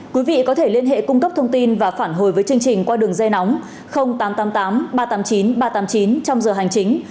quý vị có thể liên hệ cung cấp thông tin và phản hồi với chương trình qua đường dây nóng tám trăm tám mươi tám ba trăm tám mươi chín ba trăm tám mươi chín trong giờ hành chính